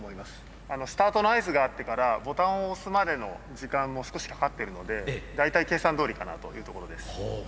スタートの合図があってからボタンを押すまでの時間も少しかかってるので大体計算どおりかなというところです。